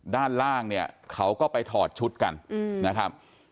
ด้านล่างเนี่ยเขาก็ไปถอดชุดกันนะครับ